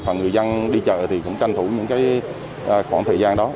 và người dân đi chợ thì cũng tranh thủ những khoảng thời gian đó